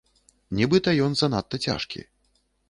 Нібыта ён занадта цяжкі.